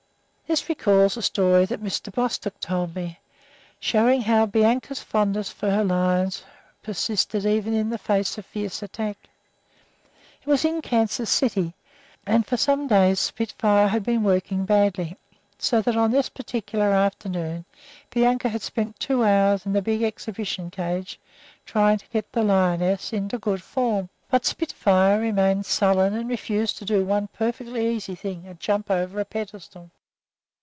This recalls a story that Mr. Bostock told me, showing how Bianca's fondness for her lions persisted even in the face of fierce attack. It was in Kansas City, and for some days Spitfire had been working badly, so that on this particular afternoon Bianca had spent two hours in the big exhibition cage trying to get the lioness into good form. But Spitfire remained sullen and refused to do one perfectly easy thing, a jump over a pedestal.